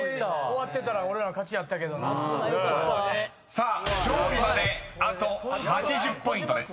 ［さあ勝利まであと８０ポイントです］